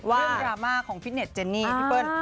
เรื่องดราม่าของฟิตเน็ตเจนนี่พี่เปิ้ล